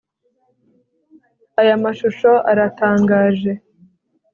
Aya mashusho aratangaje